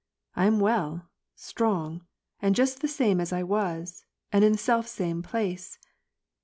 I am well, strong, and just the same as I was, and in the self same place